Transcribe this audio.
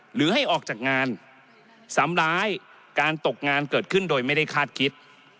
หรือให้ออกจากงานซ้ำร้ายการตกงานเกิดขึ้นโดยไม่ได้คาดคิด